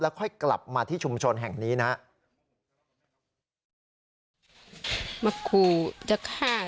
แล้วค่อยกลับมาที่ชุมชนแห่งนี้นะ